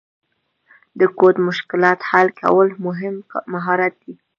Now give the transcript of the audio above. د کوډ مشکلات حل کول مهم مهارت دی.